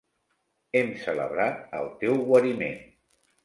Hem celebrat el teu guariment.